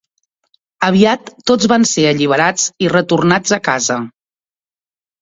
Aviat tots van ser alliberats i retornats a casa.